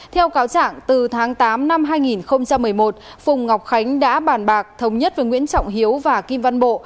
theo cáo trạng từ tháng tám năm hai nghìn một mươi một phùng ngọc khánh đã bàn bạc thống nhất với nguyễn trọng hiếu và kim văn bộ